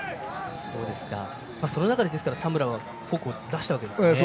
その中で田村はフォークを出したわけですね。